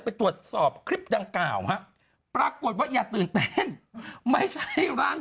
ฉันอาจข่าวฉันก็ยังไม่ไหว